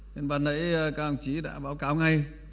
nên bà nãy các đồng chí đã báo cáo ngay